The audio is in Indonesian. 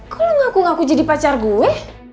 kok lu ngaku ngaku jadi pacar gue